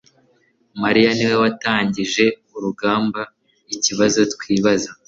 mariya niwe watangije urugamba ikibazo twibaza